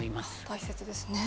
大切ですね。